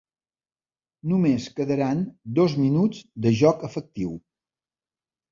Només quedaran dos minuts de joc efectiu.